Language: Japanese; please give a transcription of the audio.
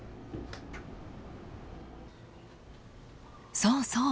そうそう！